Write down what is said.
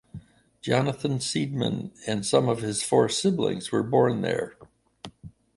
Jonathan Seidman and some of his four siblings were born there.